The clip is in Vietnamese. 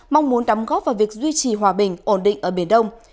mong muốn đóng góp vào việc duy trì hòa bình ổn định ở biển đông